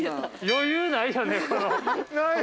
◆余裕ないよね。